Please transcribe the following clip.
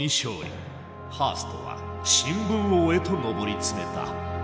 ハーストは新聞王へと上り詰めた。